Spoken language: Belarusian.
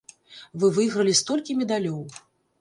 Вы выйгралі столькі медалёў!